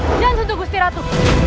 jangan sentuh gusti ratu